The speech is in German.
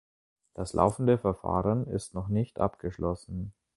Das laufende Verfahren ist noch nicht abgeschlossen.